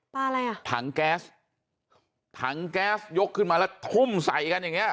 อะไรอ่ะถังแก๊สถังแก๊สยกขึ้นมาแล้วทุ่มใส่กันอย่างเงี้